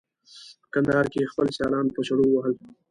په کندهار کې یې خپل سیالان په چړو وهل.